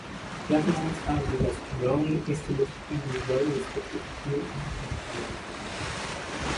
Lavinia's family was a long-established and well-respected New England family.